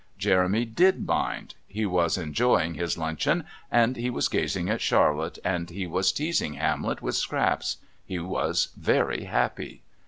Jeremy did mind. He was enjoying his luncheon, and he was gazing at Charlotte, and he was teasing Hamlet with scraps he was very happy.